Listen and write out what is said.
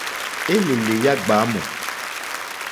Elele ya gbamu.